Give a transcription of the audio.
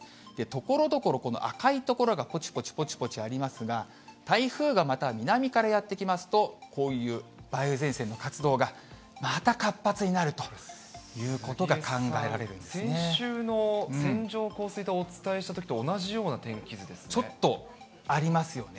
ところどころ、この赤い所がぽちぽちぽちぽちありますが、台風がまた南からやって来ますと、こういう梅雨前線の活動がまた活発になるということが考えられる先週の線状降水帯をお伝えしちょっとありますよね。